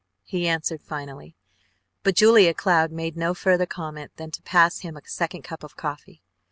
he answered finally, but Julia Cloud made no further comment than to pass him a second cup of coffee.